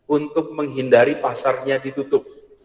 untuk menghindari pasarnya ditutup